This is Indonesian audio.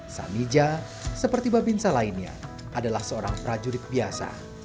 samija seperti babinsa lainnya adalah seorang prajurit biasa